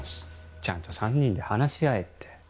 ちゃんと３人で話し合えって。